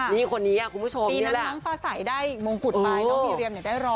นี่คนนี้คุณผู้ชมนี่แหละปีนั้นมันประสายได้มงคุดไปน้องมีเหรียมได้รอ